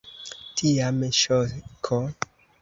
Tiam ŝoko.